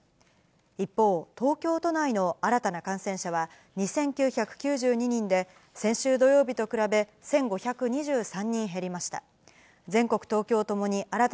一方、東京都内の新たな感染者は２９９２人で、先週土曜日と比べ１５２３人減りました。